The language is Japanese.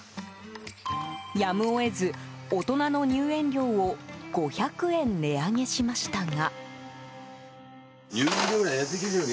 やむを得ず、大人の入園料を５００円値上げしましたが。